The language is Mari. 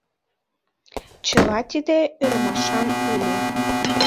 Чыла тиде ӧрмашан ыле...